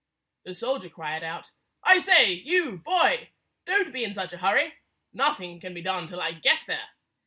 The soldier cried out, "I say, you boy! Don't be in such a hurry. Nothing can be done till I get there.